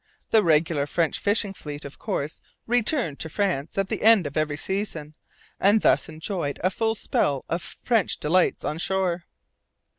The regular French fishing fleet of course returned to France at the end of every season, and thus enjoyed a full spell of French delights on shore.